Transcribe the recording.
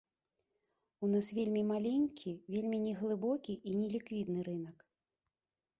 У нас вельмі маленькі, вельмі неглыбокі і неліквідны рынак.